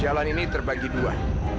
jalan ini terbagi dua